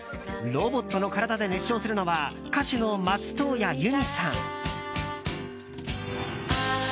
ロボットの体で熱唱するのは歌手の松任谷由実さん。